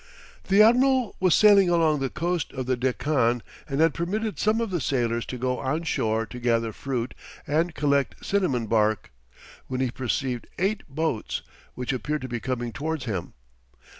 The admiral was sailing along the coast of the Deccan, and had permitted some of the sailors to go on shore to gather fruit and collect cinnamon bark, when he perceived eight boats, which appeared to be coming towards him.